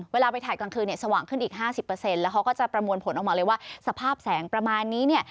เวลาไปถ่ายกลางคืนเนี่ยสว่างขึ้นอีก๕๐แล้วเขาก็จะประมวลผลออกมาเลยว่าสภาพแสงประมาณนี้เนี่ย